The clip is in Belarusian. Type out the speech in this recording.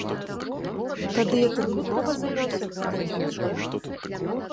Тады я тэрмінова заняўся гэтай кніжкай.